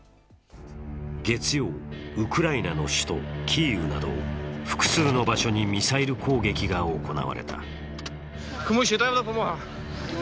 月曜、ウクライナの首都キーウなど複数の場所にミサイル攻撃が行われた。